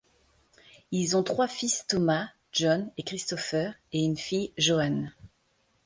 Ils ont trois fils Thomas, John et Christopher et une fille Joan.